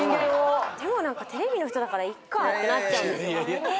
でも何かテレビの人だからいっかってなっちゃうんですよ。